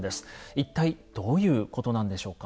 一体どういうことなんでしょうか？